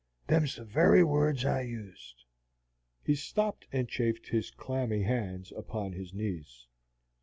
Them's the very words I used." He stopped and chafed his clammy hands upon his knees.